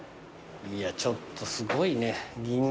いやちょっとすごいね銀座で。